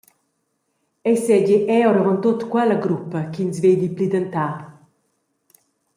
Ei seigi era oravontut quella gruppa ch’ins vegli plidentar.